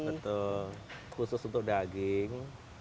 betul khusus untuk daging